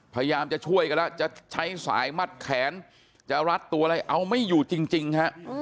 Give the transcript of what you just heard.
พยายามจะช่วยกันแล้วจะใช้สายมัดแขนจะรัดตัวอะไรเอาไม่อยู่จริงฮะ